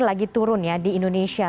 lagi turun ya di indonesia